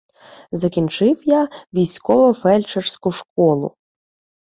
Закінчив я військово-фельдшерську школу.